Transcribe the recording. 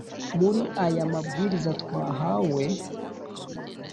muri aya mabwiriza twahawe,